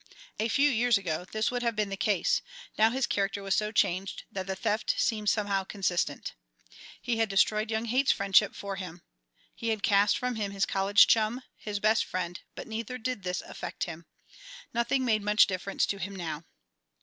A few years ago this would have been the case; now his character was so changed that the theft seemed somehow consistent. He had destroyed young Haight's friendship for him. He had cast from him his college chum, his best friend, but neither did this affect him. Nothing made much difference to him now.